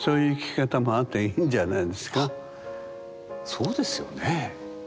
そうですよね。